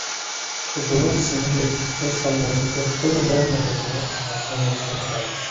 Su primer single "Es tan lógico" tuvo gran notoriedad en las radios locales.